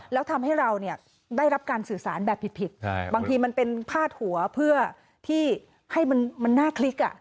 แล้วทำให้เราได้รับการสื่อสารแบบผิดบางทีมันเป็นพาดหัวเพื่อที่ให้มันน่าคลิก